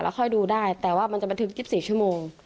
แล้วค่อยดูได้แต่ว่ามันจะมาถึง๒๔ชั่วโมง